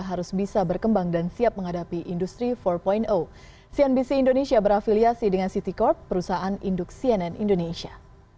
harus bisa berkembang dan siap menghadapi industri empat cnbc indonesia berafiliasi dengan ct corp perusahaan induk cnn indonesia